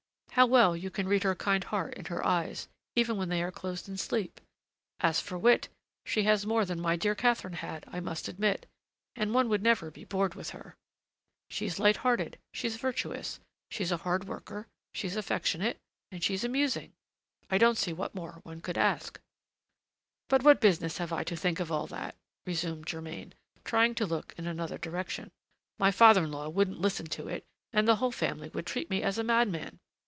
how well you can read her kind heart in her eyes, even when they are closed in sleep! As for wit, she has more than my dear Catherine had, I must admit, and one would never be bored with her. She's light hearted, she's virtuous, she's a hard worker, she's affectionate, and she's amusing. I don't see what more one could ask. "But what business have I to think of all that?" resumed Germain, trying to look in another direction. "My father in law wouldn't listen to it, and the whole family would treat me as a madman!